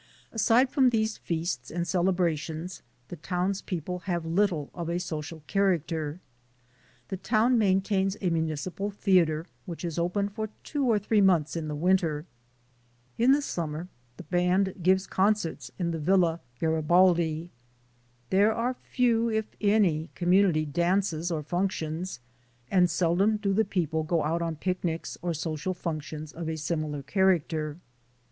Aside from these feasts and celebrations, the townspeople have little of a social character. The town maintains a municipal theater which is open for two or three months in the winter. In the sum mer the band gives concerts in the Villa Garibaldi. There are few, if any, community dances or func tions, and seldom do the people go out on picnics or social functions of a similar character.